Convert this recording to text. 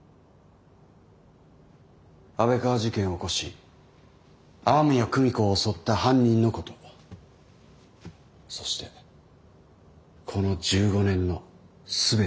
安倍川事件を起こし雨宮久美子を襲った犯人のことそしてこの１５年の全てをです。